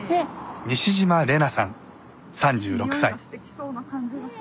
西島玲那さん３６歳。